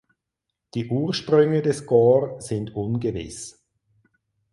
Die Ursprünge des Korps sind ungewiss.